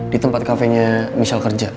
di tempat cafe nya michelle kerja